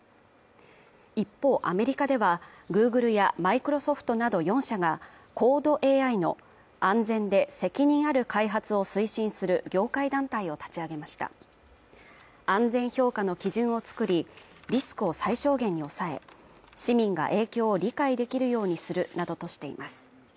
一方アメリカではグーグルやマイクロソフトなど４社が高度ＡＩの安全で責任ある開発を推進する業界団体を立ち上げました安全評価の基準を作りリスクを最小限に抑え市民が影響を理解できるようにするなどとしています